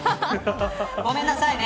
ごめんなさいね。